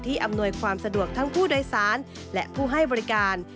อำนวยความสะดวกทั้งผู้โดยสารและผู้ให้บริการ